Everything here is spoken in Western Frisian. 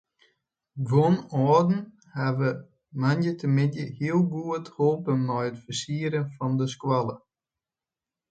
Guon âlden hawwe moandeitemiddei hiel goed holpen mei it fersieren fan de skoalle.